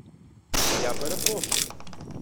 Я перепрошую!